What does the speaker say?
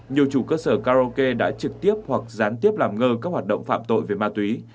nhiều chủ cơ sở karaoke đã trực tiếp hoặc gián tiếp làm ngơ các hoạt động phạm tội về ma túy